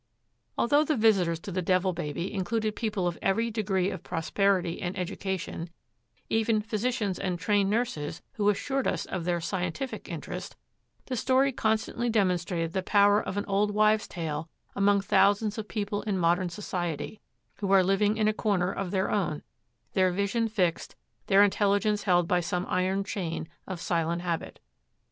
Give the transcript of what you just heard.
Although the visitors to the Devil Baby included people of every degree of prosperity and education, even physicians and trained nurses who assured us of their scientific interest, the story constantly demonstrated the power of an old wives' tale among thousands of people in modern society who are living in a corner of their own, their vision fixed, their intelligence held by some iron chain of silent habit.